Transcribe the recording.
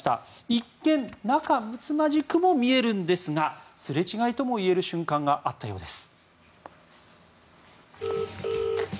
一見、仲むつまじくも見えるんですがすれ違いともいえる瞬間があったようです。